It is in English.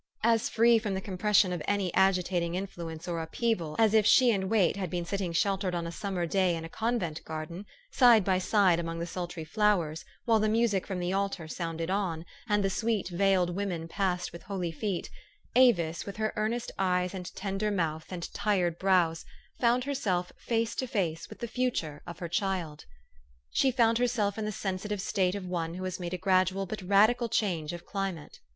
As free from the compression of any agitating in fluence or upheaval as if she and Wait had been sitting sheltered on a summer day in a convent garden, side by side among the sultry flowers, while the music from the altar sounded on, and the sweet veiled women passed with holy feet, Avis, with her earnest eyes, and tender mouth, and tired brows, found herself face to face with the future of her child. 450 THE STORY OF AVIS; She found herself in the sensitive state of one who has made a gradual but radical change of cli mate.